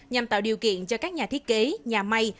nhằm tạo điều kiện cho các nhà thiết kế nhà may